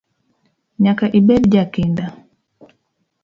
Nyaka ibed jakinda.